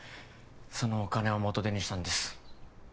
そのお金を元手にしたんです